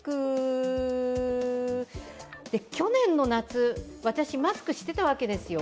去年の夏、私、マスクしてたわけですよ。